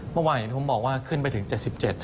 เมื่อวานอย่างที่ผมบอกว่าขึ้นไปถึง๗๗